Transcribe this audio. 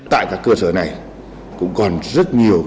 tại các cơ sở này cũng còn rất nhiều